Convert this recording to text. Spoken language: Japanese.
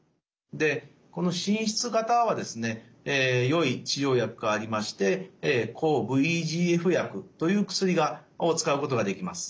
でこの滲出型はですねよい治療薬がありまして抗ＶＥＧＦ薬という薬を使うことができます。